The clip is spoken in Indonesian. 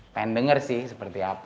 pengen dengar sih seperti apa